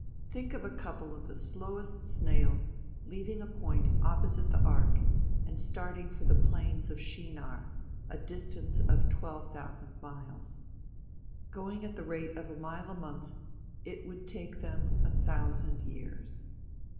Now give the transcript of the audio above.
Think of a couple of the slowest snails leaving a point opposite the ark and starting for the plains of Shinar, a distance of twelve thousand miles. Going at the rate of a mile a month, it would take them a thousand years.